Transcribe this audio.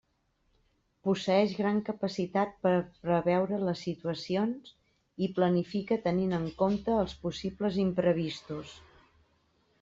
Posseeix gran capacitat per preveure les situacions i planifica tenint en compte els possibles imprevistos.